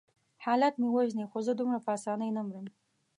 حالات مې وژني خو زه دومره په آسانۍ نه مرم.